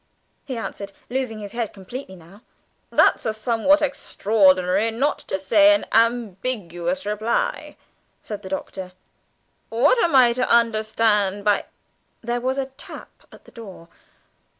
he answered, losing his head completely now. "That's a somewhat extraordinary, not to say an ambiguous, reply," said the Doctor; "what am I to understand by " There was a tap at the door.